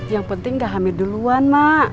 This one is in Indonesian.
yang penting gak hamil duluan mak